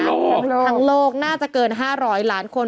ทั้งโลกน่าจะเกิน๕๐๐ล้านคน